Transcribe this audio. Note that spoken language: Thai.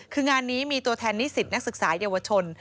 คืองานนี้มีตัวแทนนิสิตนักศึกษาเยาวชน